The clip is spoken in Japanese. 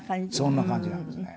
そんな感じなんですね。